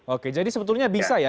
oke jadi sebetulnya bisa ya